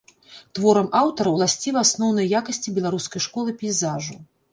Творам аўтара ўласцівы асноўныя якасці беларускай школы пейзажу.